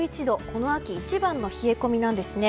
この秋一番の冷え込みなんですね。